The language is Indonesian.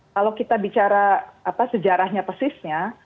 kalau kita bicara sejarahnya persisnya